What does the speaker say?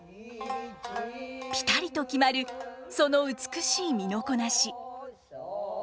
ピタリと決まるその美しい身のこなし。